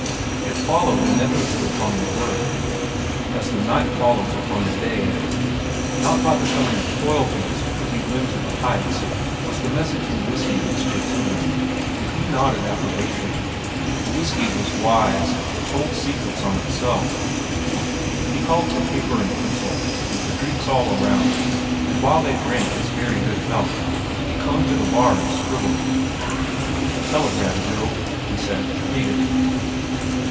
It followed inevitably upon the work, as the night follows upon the day. Not by becoming a toil beast could he win to the heights, was the message the whiskey whispered to him, and he nodded approbation. The whiskey was wise. It told secrets on itself. He called for paper and pencil, and for drinks all around, and while they drank his very good health, he clung to the bar and scribbled. "A telegram, Joe," he said. "Read it."